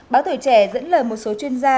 báo tuổi trẻ dẫn lời một số chuyên gia